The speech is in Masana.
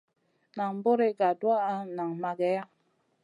Nan buri ga tuwaʼa nang mageya.